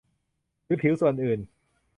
หรือผิวส่วนอื่น